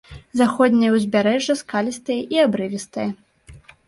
Заходняе ўзбярэжжа скалістае і абрывістае.